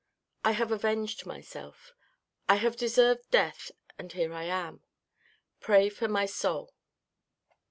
I have avenged myself. I have deserved death, and here I am. Pray for my soul.